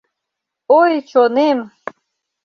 Ой, чонем!